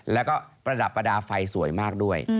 แล้วก็ประดับประดาษไฟสวยมากด้วย